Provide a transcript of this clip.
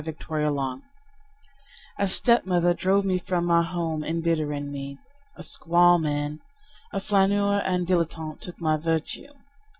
Georgine Sand Miner A stepmother drove me from home, embittering me. A squaw man, a flaneur and dilettante took my virtue.